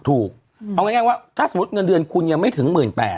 ถูกเอาง่ายว่าถ้าสมมุติเงินเดือนคุณยังไม่ถึง๑๘๐๐